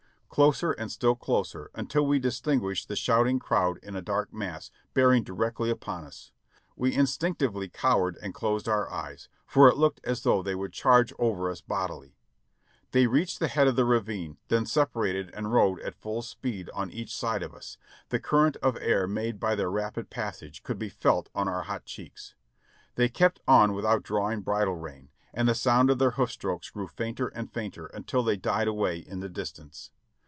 Closer, and still closer, until we distinguished the shouting crowd in a dark mass, bearing directly upon us. We instinctively cowered and closed our eyes, for it looked as though they would charge over us bodilv. They reached the head of the ravine, then separated and rode at full speed on each side of us ; the current of air made by their rapid passage could be felt on our hot cheeks. They kept on with out drawing bridle rein, and the sound of their hoof strokes grew fainter and fainter until they died away in the distance.